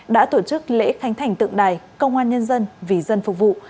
đã tổ chức lễ khánh thành tượng đài công an nhân dân vì dân phục vụ